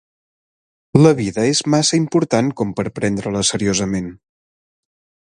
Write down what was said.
La vida és massa important com per prendre-la seriosament.